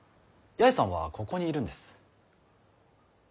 八重さんはここにいるんです。